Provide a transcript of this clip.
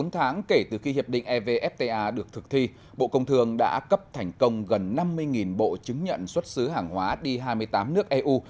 bốn tháng kể từ khi hiệp định evfta được thực thi bộ công thương đã cấp thành công gần năm mươi bộ chứng nhận xuất xứ hàng hóa đi hai mươi tám nước eu